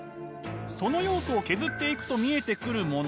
その要素を削っていくと見えてくるもの